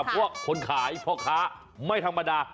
เพราะว่าคนขายพ่อค้าไม่ธรรมดา